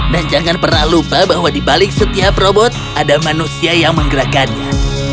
dan jangan pernah lupa bahwa di balik setiap robot ada manusia yang menggerakkannya